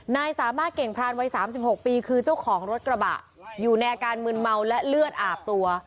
นายสามารถเก่งพรานวัย๓๖ปีคือเจ้าของรถกระบะอยู่ในอาการมืนเมาและเลือดอาบตัว